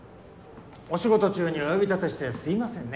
お仕事中にお呼び立てしてすみませんね